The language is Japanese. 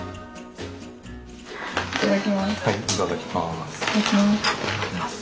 いただきます。